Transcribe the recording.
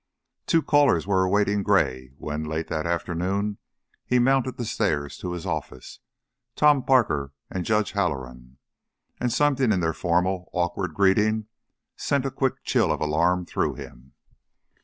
Two callers were awaiting Gray when, late that afternoon, he mounted the stairs to his office Tom Parker and Judge Halloran and something in their formal, awkward greeting sent a quick chill of alarm through him.